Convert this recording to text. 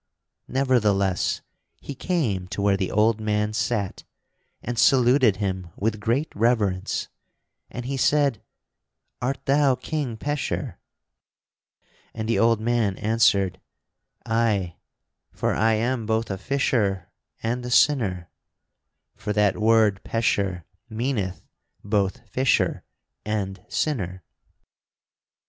Nevertheless, he came to where the old man sat and saluted him with great reverence, and he said: "Art thou King Pecheur?" And the old man answered, "Aye, for I am both a fisher and a sinner" (for that word Pecheur meaneth both fisher and sinner).